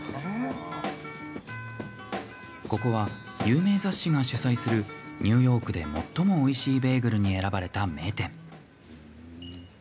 ここは有名雑誌が主催するニューヨークで最もおいしいベーグルに選ばれた名店。